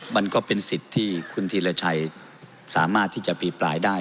มันก็เป็นสิทธิ์ที่คุณธีรชัยสามารถที่จะอภิปรายได้